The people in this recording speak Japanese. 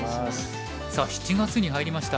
さあ７月に入りました。